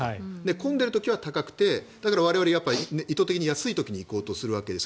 混んでる時は高くて我々、意図的に安い時に行こうとするわけです。